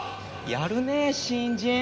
やるねぇ新人。